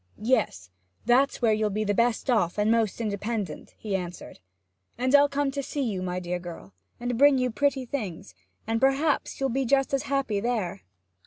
'Yes; that's where you'll be best off and most independent,' he answered. 'And I'll come to see you, my dear girl, and bring you pretty things; and perhaps you'll be just as happy there.'